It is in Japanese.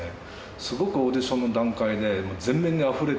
すごくオーディションの段階で。